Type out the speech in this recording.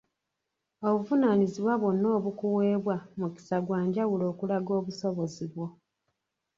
Obuvunaanyizibwa bwonna obukuweebwa mukisa gwa njawulo okulaga obusobozi bwo.